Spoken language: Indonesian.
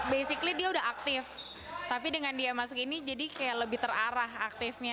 basically dia udah aktif tapi dengan dia masuk ini jadi kayak lebih terarah aktifnya